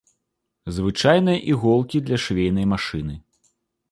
Звычайныя іголкі для швейнай машыны.